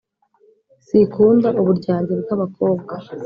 sikunda uburyarya bwabakobwa